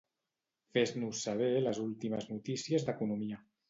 Fes-nos saber les últimes notícies d'economia.